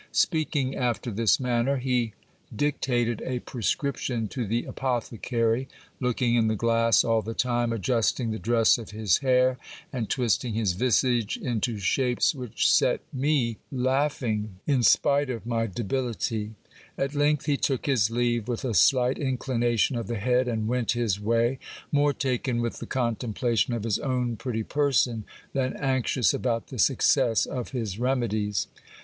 Speaking after this manner, he dic tated a prescription to the apothecary, looking in the glass all the time, adjust ing the dress of his hair, and twisting his visage into shapes which set me laugh Gil Bias and the Doctors— p. 272. GIL BLAS REFUSES HIS MEDIC EYE. 273 ing in spite of my debility. At length he took his leave with a slight inclination of the head, and went his way, more taken with the contemplation of his own pretty person, than anxious about the success of his remedies.